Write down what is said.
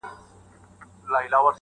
داسي وخت هم وو مور ويله راتــــــــــه~